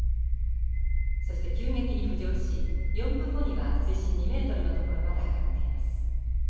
そして急激に浮上し４分後には水深２ｍの所まで上がっています。